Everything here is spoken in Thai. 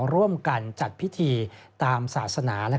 ร่วมกันจัดพิธีตามศาสนา